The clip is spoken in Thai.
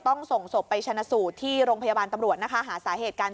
ส่งศพไปชนะสูตรที่โรงพยาบาลตำรวจนะคะหาสาเหตุการ